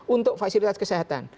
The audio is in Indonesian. untuk fasilitas kesehatan